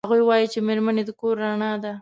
هغوی وایي چې میرمنې د کور رڼا ده